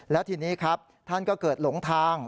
แล้วทีนี้ครับท่านก็เกิดหลงทาง